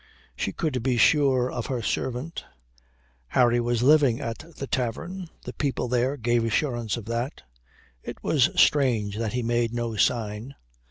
She could be sure of her servant. Harry was living at the tavern. The people there gave assurance of that. It was strange that he made no sign.